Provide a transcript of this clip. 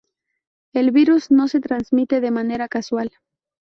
El virus no se transmite de manera casual.